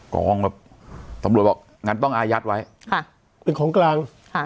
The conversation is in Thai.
กองแบบตำรวจบอกงั้นต้องอายัดไว้ค่ะเป็นของกลางค่ะ